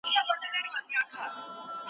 دا پدیده هيڅ قوم یا ملت ته ځانګړې نه ده. که